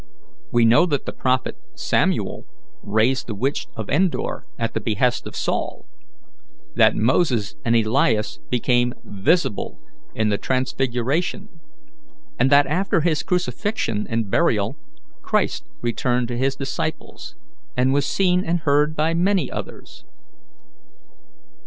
We know that the prophet Samuel raised the witch of Endor at the behest of Saul; that Moses and Elias became visible in the transfiguration; and that after his crucifixion and burial Christ returned to his disciples, and was seen and heard by many others."